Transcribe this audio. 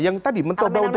yang tadi mencoba untuk